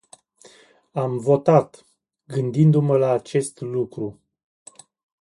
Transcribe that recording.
Am votat gândindu-mă la acest lucru.